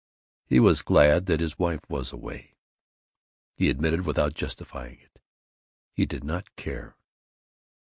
He was glad that his wife was away. He admitted it without justifying it. He did not care.